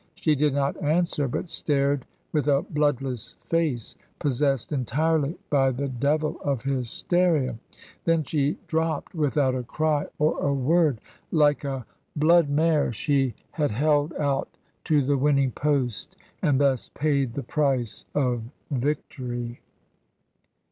She did not answer, but stared with a bloodless face, possessed entirely by the devil of hysteria. Then she dropped, without a cry or a word. Like a blood mare, she had held out to the winning post, and thus paid the price of victory.